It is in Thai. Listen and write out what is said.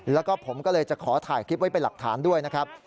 แล้วก็ผมก็เลยจะขอถ่ายคลิปไว้เป็นหลักฐานด้วยนะครับ